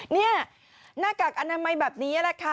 นี่หน้ากากอนามัยแบบนี้แหละค่ะ